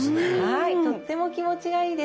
はいとっても気持ちがいいです。